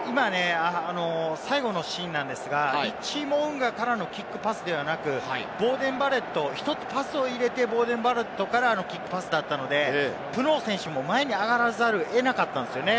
最後のシーンなんですが、リッチー・モウンガからのキックパスではなく、ボーデン・バレット、１つパスを入れて、ボーデン・バレットからのキックパスだったので、ブノー選手も前に上がらざるを得なかったんですね。